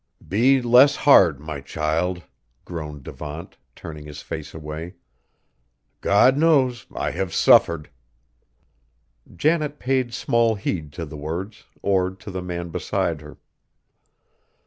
"Be less hard, my child," groaned Devant, turning his face away; "God knows, I have suffered!" Janet paid small heed to the words, or to the man beside her.